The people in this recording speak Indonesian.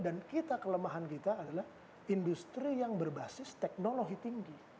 dan kita kelemahan kita adalah industri yang berbasis teknologi tinggi